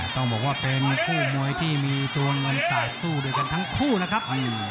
ต้องบอกว่าเป็นคู่มวยที่มีตัวเงินสาดสู้ด้วยกันทั้งคู่นะครับ